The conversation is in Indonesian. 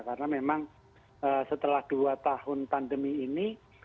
karena memang setelah dua tahun pandemi ini